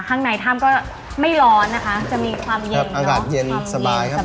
ข้างในถ้ำก็ไม่ร้อนนะคะจะมีความเย็นอากาศเย็นสบายครับ